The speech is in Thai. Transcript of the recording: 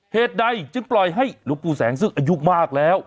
เหตุใดจึงปล่อยให้หลวงปู่แสงซึ่งอายุมากแล้ว